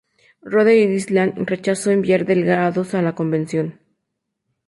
Rhode Island rechazó enviar delegados a la convención.